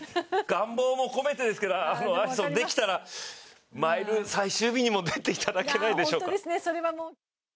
願望も込めてですけどアリソン、できたらマイル、最終日にも出ていただけないでしょうか。